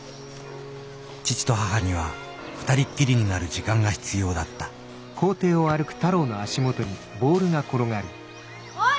父と母には二人っきりになる時間が必要だったおい！